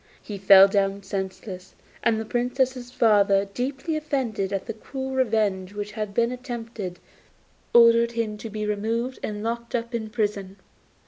He fell down senseless, and the Princess's father, deeply offended at the cruel revenge which had been attempted, ordered him to be removed and locked up in prison.